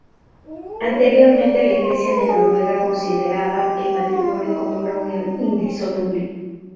Anteriormente la Iglesia de Noruega consideraba el matrimonio como una unión indisoluble.